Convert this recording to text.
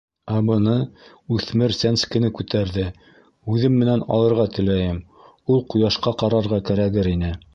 Ә быны, — үҫмер сәнскене күтәрҙе, — үҙем менән алырға теләйем, ул ҡояшҡа ҡарарға кәрәгер ине.